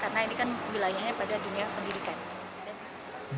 karena ini kan berlainya pada dunia pendidikan